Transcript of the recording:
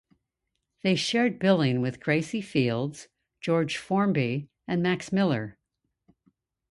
They shared billing with Gracie Fields, George Formby and Max Miller.